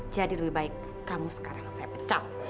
jadi lebih baik kamu sekarang saya pecah